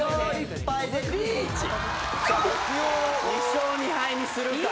２勝２敗にするか。